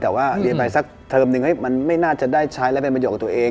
แต่ว่าเรียนไปสักเทอมนึงมันไม่น่าจะได้ใช้แล้วเป็นประโยชนกับตัวเอง